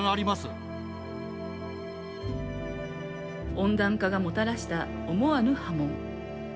温暖化がもたらした思わぬ波紋。